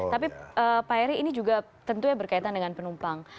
tapi pak heri ini juga tentunya berkaitan dengan penumpang